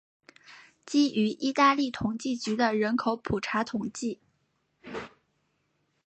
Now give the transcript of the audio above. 基于意大利统计局的人口普查统计。